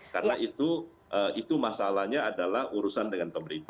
karena itu masalahnya adalah urusan dengan pemerintah